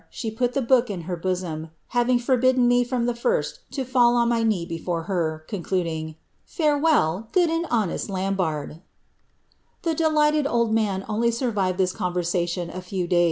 she put the book in her bosom, having forbidden me from the fir*i to fall on Miy knee before her, concluding Farewell, good and honest lira barde !'" The delighted oW man only survived this conversation a few d»\>.